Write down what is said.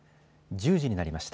１０時になりました。